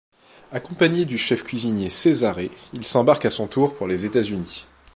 Accompagné du chef cuisinier Cesare, il s'embarque à son tour pour les États-Unis.